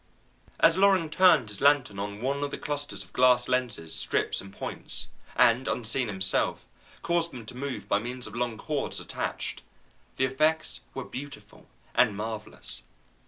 As Loring turned his lantern on one of the clusters of glass lenses, strips, and points, and, unseen himself, caused them to move by means of long cords attached, the effects were beautiful and marvellous.